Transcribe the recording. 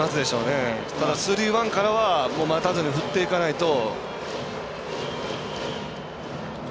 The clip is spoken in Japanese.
スリーワンからは待たずに振っていかないと。